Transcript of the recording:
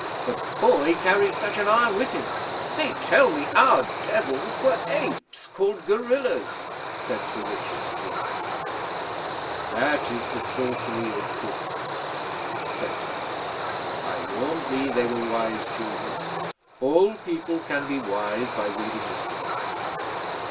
The boy carries such an iron with him. They tell me our Devils were apes, called gorillas!' said Sir Richard, indignantly. 'That is the sorcery of books,' said Puck. 'I warned thee they were wise children. All people can be wise by reading of books.'